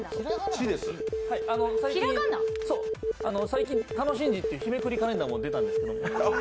最近、たのしんじという日めくりカレンダーも出たんですけど。